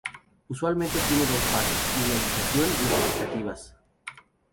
Usualmente tiene dos fases: idealización y expectativas.